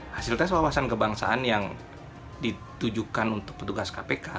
hasil tes wawasan kebangsaan yang ditujukan untuk petugas kpk